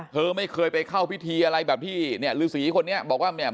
เธอไม่เคยไปเข้าพิธีอะไรแบบที่เนี่ยฤษีคนนี้บอกว่าเนี่ย